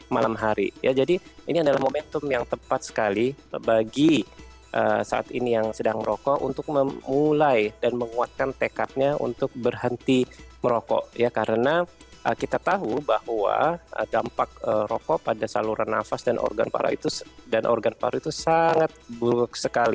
malam hari ya jadi ini adalah momentum yang tepat sekali bagi saat ini yang sedang merokok untuk memulai dan menguatkan tekadnya untuk berhenti merokok ya karena kita tahu bahwa dampak rokok pada saluran nafas dan organ paru itu sangat buruk sekali